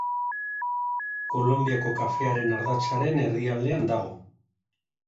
Kolonbiako kafearen ardatzaren erdialdean dago.